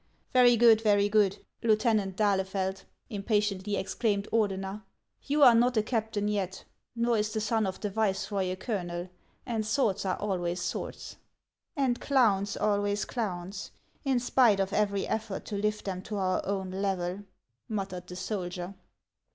" Very good, very good, Lieutenant d'Ahlefeld," impa tiently exclaimed Ordener, " you are not a captain yet, nor is the son of the viceroy a colonel ; and swords are always swords." " And clowns always clowns, in spite of every effort to lift them to our own level," muttered the soldier.